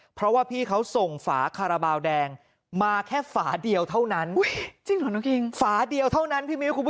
เพราะว่าพี่เขาส่งฝาคาราบาลแดงมาแค่ฝาเดียวเท่านั้น